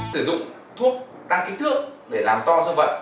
sử dụng thuốc tăng kích thước để làm to dương vật